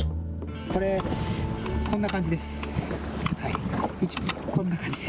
これ、こんな感じです。